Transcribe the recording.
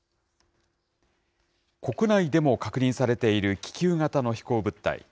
国内でも確認されている気球型の飛行物体。